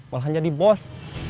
malah jadi bos